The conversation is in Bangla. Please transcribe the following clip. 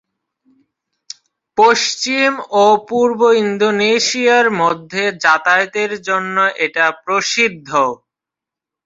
পশ্চিম এবং পূর্ব ইন্দোনেশিয়ার মধ্যে যাতায়াতের জন্য এটা প্রসিদ্ধ।